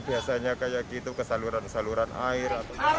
biasanya kayak gitu ke saluran saluran air